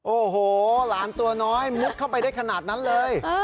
โอ้โหหลานตัวน้อยมุกเข้าไปได้ขนาดนั้นเลย